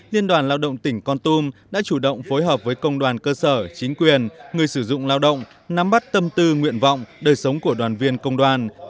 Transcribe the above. liên đoàn lao động tỉnh con tum đã chủ động phối hợp với công đoàn cơ sở chính quyền người sử dụng lao động nắm bắt tâm tư nguyện vọng đời sống của đoàn viên công đoàn